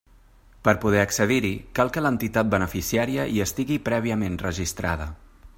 Per poder accedir-hi cal que l'entitat beneficiària hi estigui prèviament registrada.